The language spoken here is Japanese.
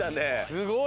すごい。